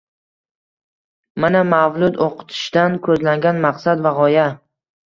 Mana mavlud o'qitishdan ko'zlangan maqsad va g'oya.